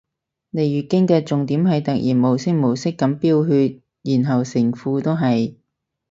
嚟月經嘅重點係突然無聲無息噉飆血然後成褲都係